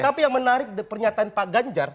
tapi yang menarik pernyataan pak ganjar